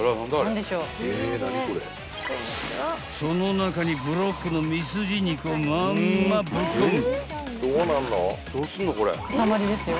［その中にブロックのミスジ肉をまんまぶっ込む］